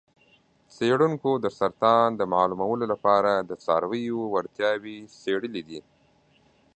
څیړونکو د سرطان د معلومولو لپاره د څارویو وړتیاوې څیړلې دي.